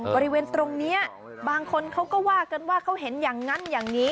บริเวณตรงนี้บางคนเขาก็ว่ากันว่าเขาเห็นอย่างนั้นอย่างนี้